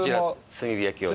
炭火焼を。